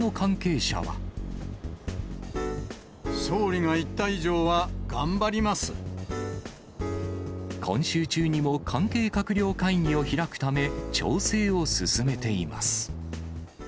総理が言った以上は頑張りま今週中にも関係閣僚会議を開くため、調整を進めています。